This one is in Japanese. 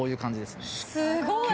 すごい！